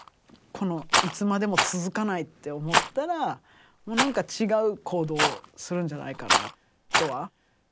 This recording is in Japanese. いつまでも続かないって思ったらなんか違う行動をするんじゃないかな人は。